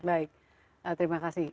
baik terima kasih